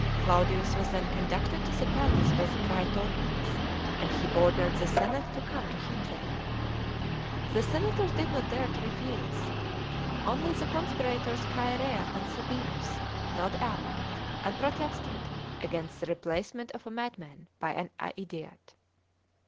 Claudius was then conducted to the palace by the praetorians, and he ordered the senate to come to him there. The senators did not dare to refuse ; only the conspirators Chaerea and Sabinus held out, and protested against the replacement of a madman by an idiot.